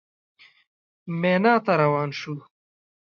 مینا ته روان شوو.